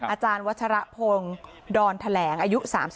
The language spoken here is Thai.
อาจารย์วัชรพงศ์ดอนแถลงอายุ๓๓